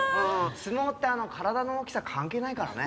相撲って体の大きさ関係ないからね。